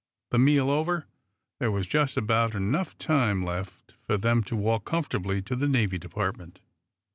The meal over, there was just about enough time left for them to walk comfortably to the Navy Department.